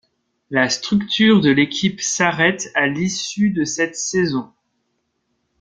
La structure de l'équipe s'arrête à l'issue de cette saison.